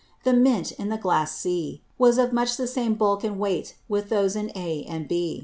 The Mint in the Glass C, was of much the same Bulk and Weight with those in A and B.